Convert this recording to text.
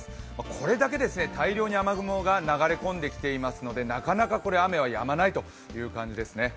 これだけ大量に雨雲が流れ込んできていますのでなかなか雨はやまないという感じですね。